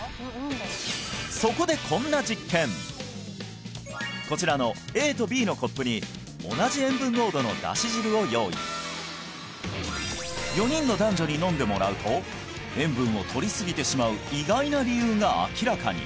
そこでこんなこちらのＡとＢのコップに同じ塩分濃度のだし汁を用意４人の男女に飲んでもらうと塩分をとりすぎてしまう意外な理由が明らかに！